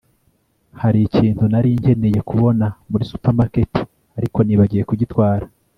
Hari ikintu nari nkeneye kubona muri supermarket ariko nibagiwe kugitwara